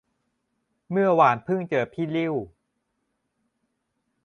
เมื่อวานเพิ่งเจอพี่ลิ่ว